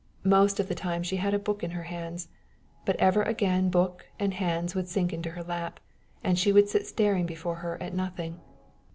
Most of the time she had a book in her hands, but ever again book and hands would sink into her lap, and she would sit staring before her at nothing.